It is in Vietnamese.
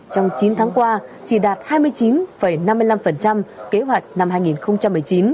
trong chín tháng qua chỉ đạt hai mươi chín năm mươi năm kế hoạch năm hai nghìn một mươi chín